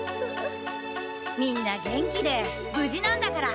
みんな元気でぶじなんだから。